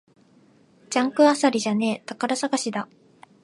ジャンク漁りじゃねえ、宝探しだ